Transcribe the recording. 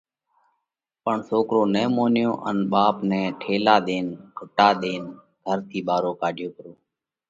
پڻ سوڪرو نہ مونيو ان ٻاپ نئہ ٺيلا ۮينَ، ڳتا ۮينَ گھر ٿِي ٻارو ڪاڍيو پرو۔